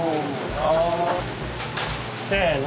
せの。